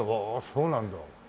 そうなんだ。